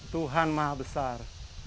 tuhan maha besar